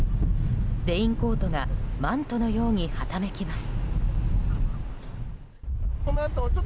レインコートがマントのようにはためきます。